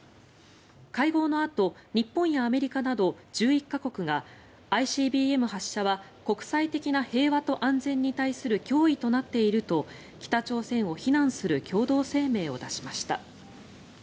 会合のあと日本やアメリカなど１１か国がＩＣＢＭ発射は国際的な平和と安全に対する脅威となっていると北朝鮮を非難する共同声明を出しました。